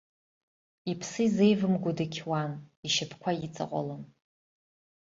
Иԥсы изеивымго дықьуан, ишьапқәа иҵаҟәалон.